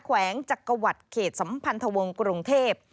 แวงจักรวรรดิเขตสัมพันธวงศ์กรุงเทพ